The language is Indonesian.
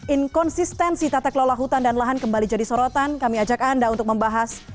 inkonsistensi tata kelola hutan dan lahan kembali jadi sorotan kami ajak anda untuk membahas